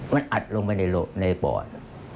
มันอัดลงตรงในบอด